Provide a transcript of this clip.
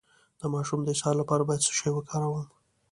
د ماشوم د اسهال لپاره باید څه شی وکاروم؟